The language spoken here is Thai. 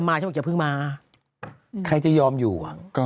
แล้วใครจะยอมอยู่